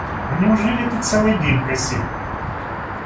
Но неужели ты целый день косил?